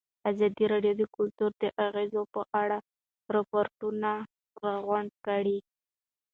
ازادي راډیو د کلتور د اغېزو په اړه ریپوټونه راغونډ کړي.